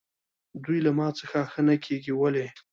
دوی له ما څخه ښه نه کېږي، ولې؟